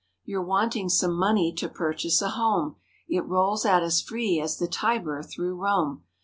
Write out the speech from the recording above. You're wanting some money to purchase a home. It rolls out as free as the Tiber through Rome.